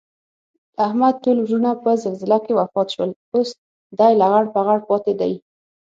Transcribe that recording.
احمد ټول ورڼه په زلزله کې وفات شول. اوس دی لغړ پغړ پاتې دی